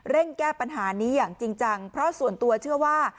แก้ปัญหานี้อย่างจริงจังเพราะส่วนตัวเชื่อว่า